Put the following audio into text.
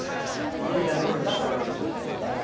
悪いところに縛られちゃ駄目だけど。